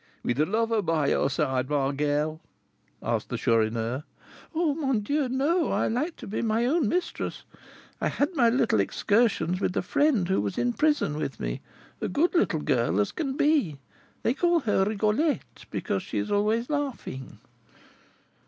"With a lover by your side, my girl?" asked the Chourineur. "Oh, mon Dieu! no! I like to be my own mistress. I had my little excursions with a friend who was in prison with me, a good little girl as can be: they call her Rigolette, because she is always laughing."